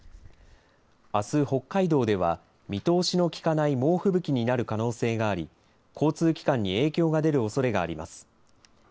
あす北海道では見通しのきかない猛吹雪になる可能性があり、交通機関に影響が出るおそれがあります。